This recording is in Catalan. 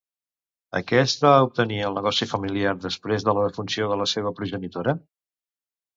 Aquest va obtenir el negoci familiar després de la defunció de la seva progenitora?